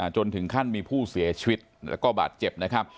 จนถึงขั้นมีผู้เสียชีวิตแล้วก็บาดเจ็บนะครับ